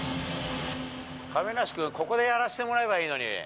亀梨君、ここでやらせてもらえばいいのに。